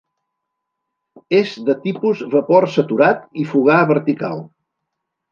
És de tipus vapor saturat i fogar vertical.